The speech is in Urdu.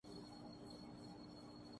لہذا معلومات اخبارات سے ہی حاصل ہوتی ہیں۔